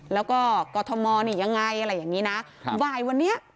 แล้วก็กรทมนี่ยังไงอะไรอย่างนี้นะครับบ่ายวันนี้